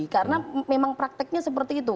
karena memang prakteknya seperti itu